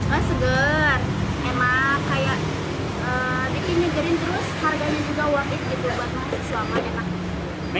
gak segar enak kayak bikinnya kering terus harganya juga wapit gitu bakal masih selama enak